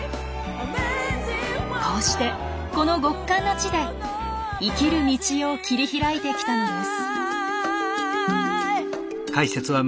こうしてこの極寒の地で生きる道を切り開いてきたのです。